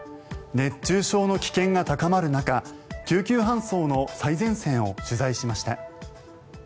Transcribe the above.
熱中症の危険が高まる中救急搬送の最前線を取材しました。